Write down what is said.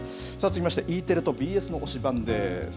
そしてＥテレとＢＳの推しバン！です。